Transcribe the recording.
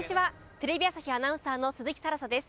テレビ朝日アナウンサーの鈴木新彩です。